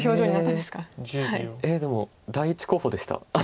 でも第１候補でした。